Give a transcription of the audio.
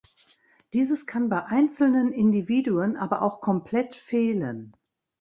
Dieses kann bei einzelnen Individuen aber auch komplett fehlen.